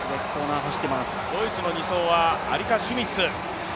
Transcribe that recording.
ドイツの２走はアリカ・シュミッツ。